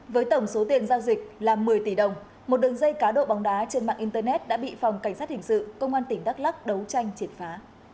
với tổng số tiền giao dịch là một mươi tỷ đồng một đường dây cá độ bóng đá trên mạng internet đã bị phòng cảnh sát hình sự công an tỉnh đắk lắc đấu tranh triệt phá